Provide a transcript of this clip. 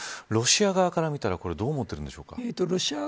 ロシア側から見たらどう思ってるんでしょうか。